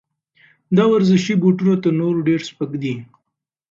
دا ورزشي بوټونه تر نورو ډېر سپک دي.